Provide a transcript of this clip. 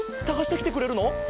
さがしてきてくれるの？